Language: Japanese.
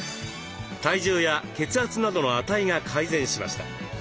体重や血圧などの値が改善しました。